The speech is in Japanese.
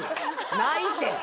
ないって！